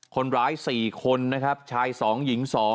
คนร้าย๔คนชาย๒หญิง๒